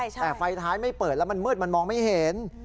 แต่ไฟท้ายไม่เปิดแล้วมันมืดมันมองไม่เห็น